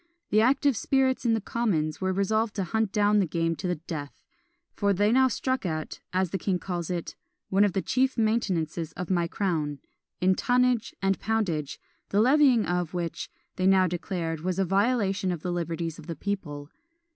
The active spirits in the commons were resolved to hunt down the game to the death: for they now struck at, as the king calls it, "one of the chief maintenances of my crown," in tonnage and poundage, the levying of which, they now declared, was a violation of the liberties of the people.